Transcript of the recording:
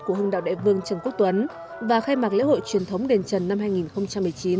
của hưng đạo đại vương trần quốc tuấn và khai mạc lễ hội truyền thống đền trần năm hai nghìn một mươi chín